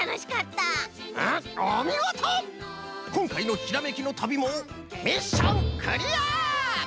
こんかいのひらめきの旅もミッションクリア！